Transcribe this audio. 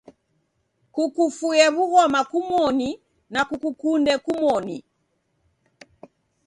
Kukufuye w'ughoma kumoni na kukukunde kumoni.